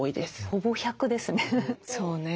ほぼ１００ですね。